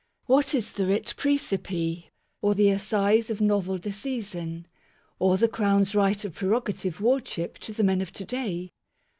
What is the writ prcecipe, or the assize of novel disseisin, or the crown's right of prerogative wardship to the men of to day?